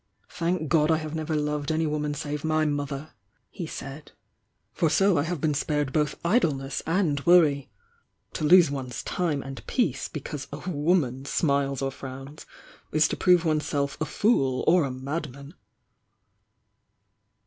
"Thank God I have never loved any woman save my mother!" he said. "For so I have been spared laoth idleness and worry! To lose one's time and peace because a woman smiles or frowns is to prove one's self a fool or a madman!"